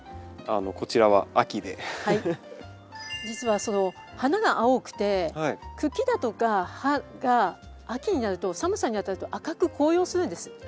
じつはその花が青くて茎だとか葉が秋になると寒さにあたると赤く紅葉するんです。